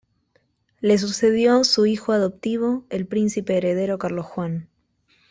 Le sucedió su hijo adoptivo el príncipe heredero Carlos Juan.